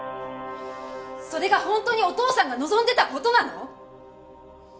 それが本当にお父さんが望んでた事なの？